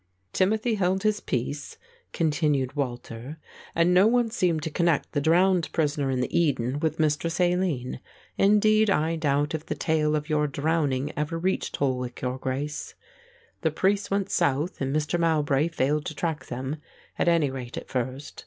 "Timothy held his peace," continued Walter, "and no one seemed to connect the drowned prisoner in the Eden with Mistress Aline. Indeed I doubt if the tale of your drowning ever reached Holwick, your Grace. The priests went south and Master Mowbray failed to track them, at any rate at first.